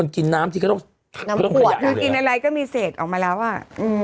กินอะไรก็มีเศษออกมาแล้วอ่ะ